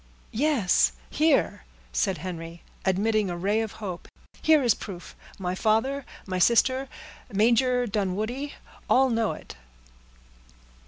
"Yes—here," said Henry, admitting a ray of hope. "Here is proof—my father, my sister, Major Dunwoodie, all know it."